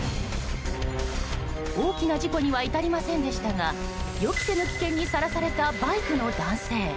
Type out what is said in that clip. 大きな事故には至りませんでしたが予期せぬ危険にさらされたバイクの男性。